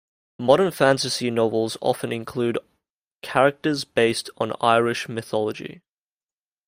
Modern fantasy novels often include characters based on Irish mythology.